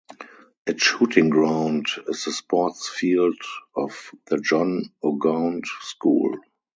Its shooting ground is the sports field of the John O'Gaunt School.